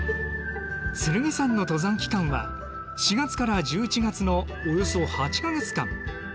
剣山の登山期間は４月から１１月のおよそ８か月間。